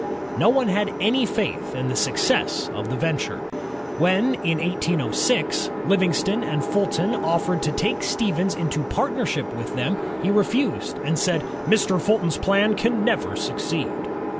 No one had any faith in the success of the venture. When, in 1806, Livingston and Fulton offered to take Stevens into partnership with them, he refused, and said, "Mr. Fulton's plan can never succeed."